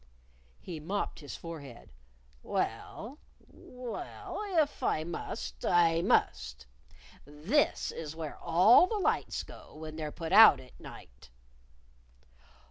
_" He mopped his forehead. "Well well if I must, I must: This is where all the lights go when they're put out at night."